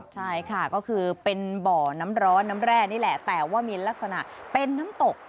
ใช่ค่ะก็คือเป็นบ่อน้ำร้อนน้ำแร่นี่แหละแต่ว่ามีลักษณะเป็นน้ำตก